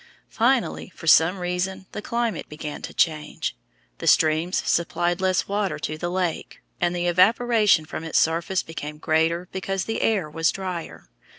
Finally, for some reason the climate began to change, the streams supplied less water to the lake, and the evaporation from its surface became greater because the air was drier.